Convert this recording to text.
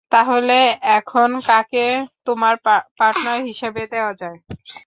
তাহলে এখন কাকে তোমার পার্টনার হিসেবে দেয়া যায়?